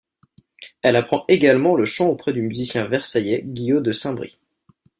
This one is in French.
Elle apprend également le chant auprès du musicien versaillais Guillot de Sainbris.